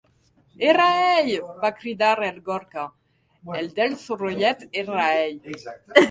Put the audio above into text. Era ell! —va cridar el Gorka— El dels sorollets era ell!